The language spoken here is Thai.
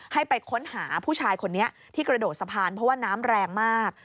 ให้ไปค้นหาผู้ชายคนนี้ที่กระโดดสะพานเพราะว่าน้ำแรงมาก